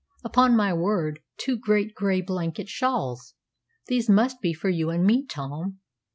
"Upon my word, two great gray blanket shawls! These must be for you and me, Tom!